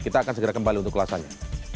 kita akan segera kembali untuk ulasannya